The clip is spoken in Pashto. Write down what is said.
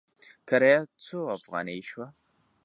کرایه څو افغانې شوه؟